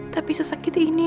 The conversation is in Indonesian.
tapi sesakit ini